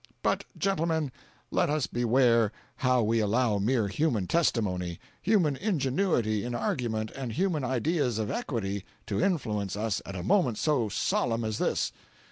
But gentlemen, let us beware how we allow mere human testimony, human ingenuity in argument and human ideas of equity, to influence us at a moment so solemn as this.